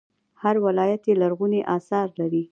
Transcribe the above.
هر ولایت یې لرغوني اثار لري